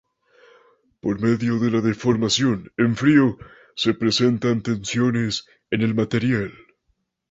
Por medio de la deformación en frío se presentan tensiones en el material.